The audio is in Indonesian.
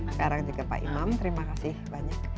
sekarang juga pak imam terima kasih banyak